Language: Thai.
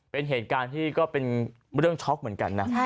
เป็นเหตุการณ์ที่ก็เป็นเรื่องช็อกเหมือนกันนะ